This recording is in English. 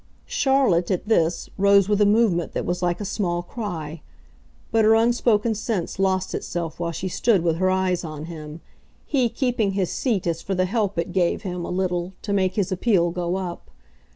Charlotte, at this, rose with a movement that was like a small cry; but her unspoken sense lost itself while she stood with her eyes on him he keeping his seat as for the help it gave him, a little, to make his appeal go up.